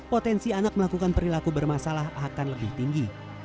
potensi anak melakukan perilaku bermasalah akan lebih tinggi